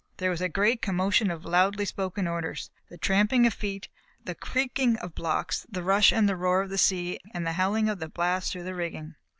There was a great commotion of loudly spoken orders, the tramping of feet, the creaking of blocks, the rush and roar of the sea and the howling of the blast through the rigging.